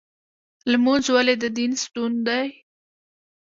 لمونځ ولې د دین ستون دی؟